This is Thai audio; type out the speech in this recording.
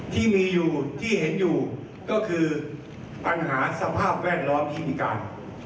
ที่มีอยู่ที่เห็นอยู่ก็คือปัญหาสภาพแวดล้อมที่มีการ